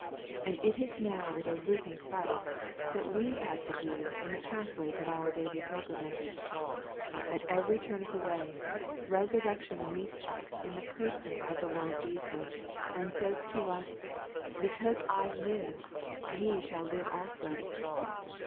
And it is now with a risen Christ that we have to do in the pathways of our daily pilgrimage. At every turn of the way, resurrection meets us in the person of the Lord Jesus, and says to us, ' Because I live, ye shall live also.'